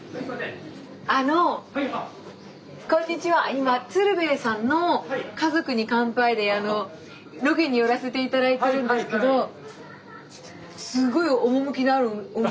今鶴瓶さんの「家族に乾杯」でロケに寄らせて頂いてるんですけどとんでもない。